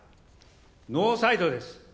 ノーサイドです。